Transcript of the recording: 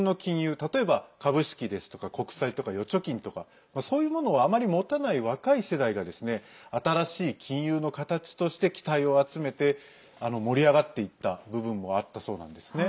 例えば、株式ですとか国債とか預貯金とかそういうものをあまり持たない若い世代が新しい金融の形として期待を集めて盛り上がっていった部分もあったそうなんですね。